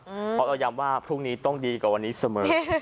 เพราะเราย้ำว่าพรุ่งนี้ต้องดีกว่าวันนี้เสมอ